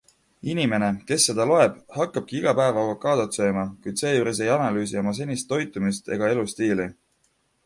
Inimene, kes seda loeb, hakkabki iga päev avokaadot sööma, kuid seejuures ei analüüsi oma senist toitumist egja elustiili.